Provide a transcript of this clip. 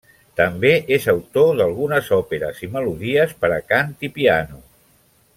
També és autor d'algunes òperes i melodies per a cant i piano.